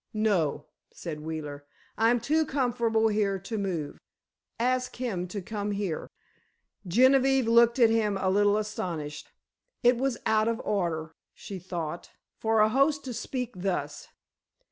"No," said Wheeler, "I'm too comfortable here to move—ask him to come here." Genevieve looked at him a little astonished. It was out of order, she thought, for a host to speak thus.